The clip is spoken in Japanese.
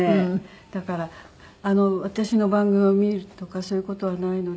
だから私の番組を見るとかそういう事はないので。